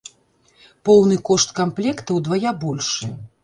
Поўны кошт камплекта ўдвая большы.